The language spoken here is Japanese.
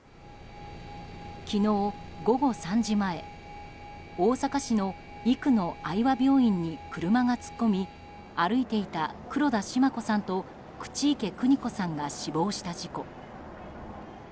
昨日午後３時前大阪市の生野愛和病院に車が突っ込み歩いていた黒田シマ子さんと口池邦子さんが死亡した事故。